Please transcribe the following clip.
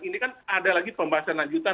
ini kan ada lagi pembahasan lanjutan